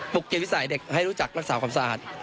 เกมวิสัยเด็กให้รู้จักรักษาความสะอาด